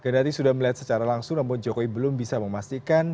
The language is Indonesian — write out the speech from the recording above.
kendati sudah melihat secara langsung namun jokowi belum bisa memastikan